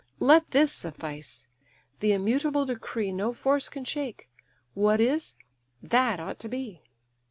Let this suffice: the immutable decree No force can shake: what is, that ought to be.